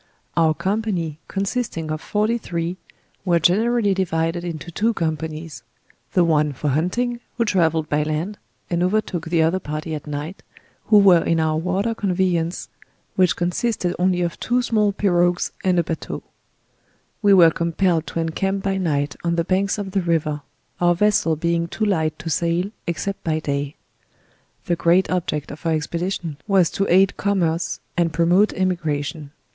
Our company, consisting of forty three, were generally divided into two companies; the one for hunting, who trav elled by land, and overtook the other party at night, who were in our water conveyance, which consibtsd only of two small perogues and a batteau. We were compelled to en camp by night on the banks of the river; our vessel being too light to sail except by day. The great object of our expedition was to aid Commerce &nd promote Emigration.